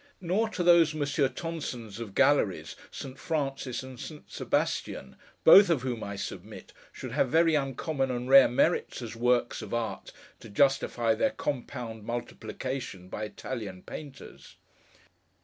Nor to those Monsieur Tonsons of galleries, Saint Francis and Saint Sebastian; both of whom I submit should have very uncommon and rare merits, as works of art, to justify their compound multiplication by Italian Painters.